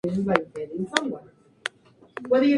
Su nick o apodo fue Cóndor.